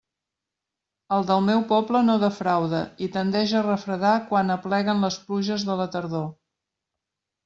El del meu poble no defrauda i tendeix a refredar quan apleguen les pluges de la tardor.